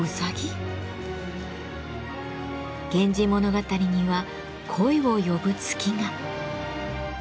源氏物語には恋を呼ぶ月が。